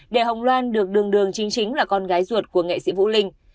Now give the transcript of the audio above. để hồng loan được đường đường chính chính là con gái ruột của nghệ sĩ vũ linh